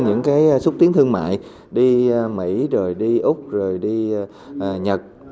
những cái xúc tiến thương mại đi mỹ rồi đi úc rồi đi nhật